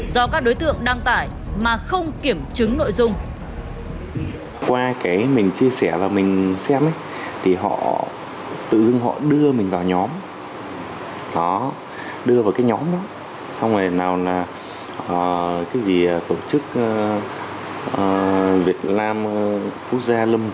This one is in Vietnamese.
do các đối tượng đăng tải mà không kiểm chứng nội dung